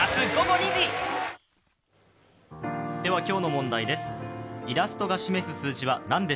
今日の問題です。